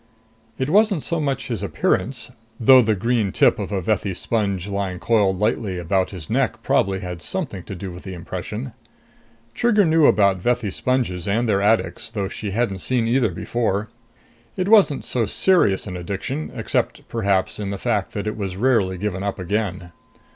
It wasn't so much his appearance, though the green tip of a Vethi sponge lying coiled lightly about his neck probably had something to do with the impression. Trigger knew about Vethi sponges and their addicts, though she hadn't seen either before. It wasn't so serious an addiction, except perhaps in the fact that it was rarely given up again.